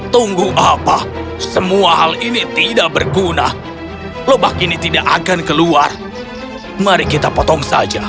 tunggu apa semua hal ini tidak berguna lebak ini tidak akan keluar mari kita potong saja